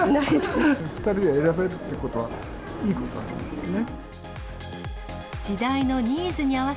２人で選べるってことはいいことだと思いますね。